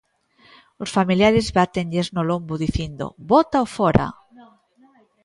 Os familiares bátenlles no lombo dicindo, "bótao fóra".